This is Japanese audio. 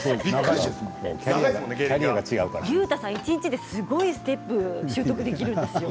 りゅうたさんは一日ですごいステップを習得できるんですよ